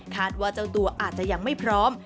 ว่าเจ้าตัวอาจจะยังไม่พร้อม